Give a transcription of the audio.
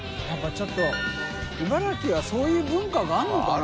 ちょっと茨城はそういう文化があるのかな？